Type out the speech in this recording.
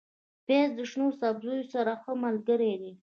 پیاز د شنو سبزیو سره ښه ملګری دی